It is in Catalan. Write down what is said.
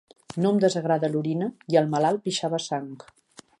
No em desagrada l'orina, i el malalt pixava sang.